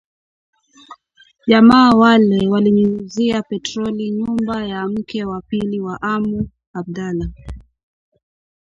Jamaa wale waliinyunyizia petrol nyumba ya mke wa pili wa amu Abdalla